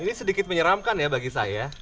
ini sedikit menyeramkan ya bagi saya